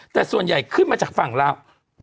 แต่ส่วนใหญ่ขึ้นมาจากฝั่งลาว